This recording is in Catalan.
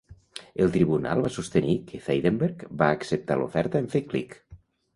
El tribunal va sostenir que Zeidenberg va acceptar l'oferta en fer clic.